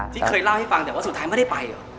ที่เคยเล่าให้ฟังแต่ว่าสุดท้ายไม่ได้ไปเหรอ